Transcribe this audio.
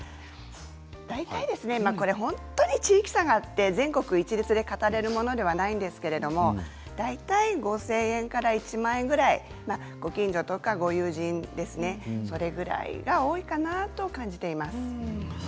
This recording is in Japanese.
これは本当に地域差があって全国一律で語れるものではないんですけれど大体５０００円から１万円ぐらいご近所とかご友人それくらいが多いかなと感じています。